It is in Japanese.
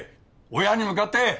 親に向かって！